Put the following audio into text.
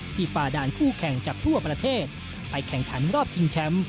ฝ่าด่านคู่แข่งจากทั่วประเทศไปแข่งขันรอบชิงแชมป์